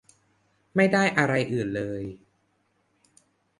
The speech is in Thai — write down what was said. ไม่ได้อะไรอื่นเลย